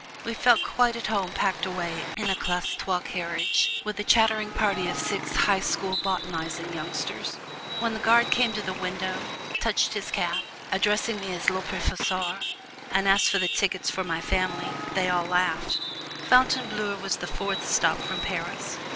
We felt quite at home packed away in a Classe Trois carriage with a chattering party of six High School botanizing youngsters. When the guard came to the window, touched his cap, addressing me as Le Professeur, and asked for the tickets for my family, they all laughed. Fontainebleau was the fourth stop from Paris.